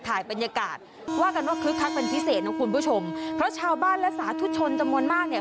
บรรยากาศว่ากันว่าคึกคักเป็นพิเศษนะคุณผู้ชมเพราะชาวบ้านและสาธุชนจำนวนมากเนี่ย